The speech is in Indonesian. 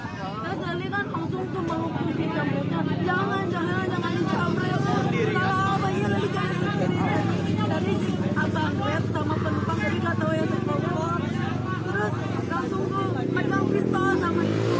terus langsung menjamret